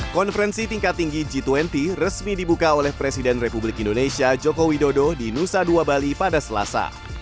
konferensi tingkat tinggi g dua puluh resmi dibuka oleh presiden republik indonesia joko widodo di nusa dua bali pada selasa